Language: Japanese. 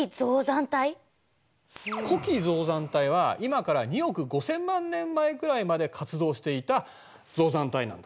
古期造山帯は今から２億５，０００万年前くらいまで活動していた造山帯なんだ。